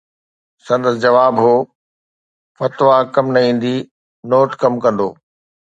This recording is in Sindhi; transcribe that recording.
سندس جواب هو: فتويٰ ڪم نه ايندي، نوٽ ڪم ڪندو.